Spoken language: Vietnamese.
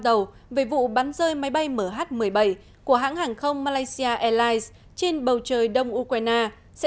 dầu về vụ bắn rơi máy bay mh một mươi bảy của hãng hàng không malaysia airlines trên bầu trời đông ukraine sẽ